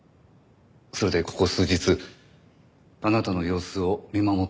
それでここ数日あなたの様子を見守っていたと。